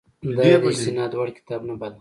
دا یې د استناد وړ کتاب نه باله.